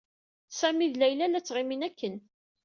Sami ed Layla la ttɣimin akken.